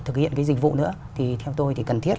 thực hiện cái dịch vụ nữa thì theo tôi thì cần thiết